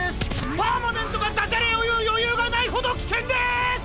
パーマネントがダジャレをいうよゆうがないほどきけんです！